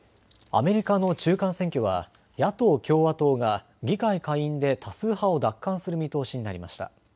アメリカの中間選挙は野党・共和党が議会下院で多数派を奪還する見通しになりました。